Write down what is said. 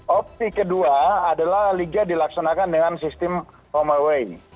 opsi kedua adalah liga dilaksanakan dengan sistem romaway